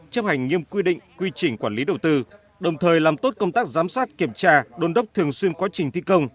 chấp hành nghiêm quy định quy trình quản lý đầu tư đồng thời làm tốt công tác giám sát kiểm tra đôn đốc thường xuyên quá trình thi công